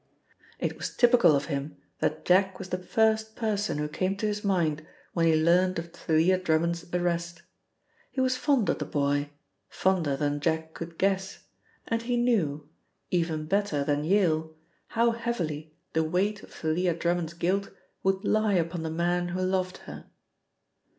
It was typical of him that Jack was the first person who came to his mind when he learnt of Thalia Drummond's arrest. He was fond of the boy, fonder than Jack could guess, and he knew, even better than Yale, how heavily the weight of Thalia Drummond's guilt would lie upon the man who loved her.